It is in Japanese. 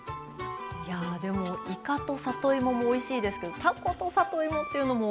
いやでもいかと里芋もおいしいですけどたこと里芋っていうのもおいしそうですね。